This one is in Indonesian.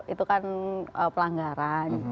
itu kan pelanggaran